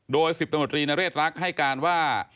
โดย๑๐ตำรวจรีนเรศรักให้การว่า